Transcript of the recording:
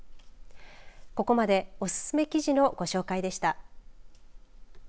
ここまでおすすめ記事のご紹介でした。